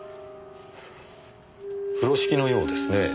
風呂敷のようですね。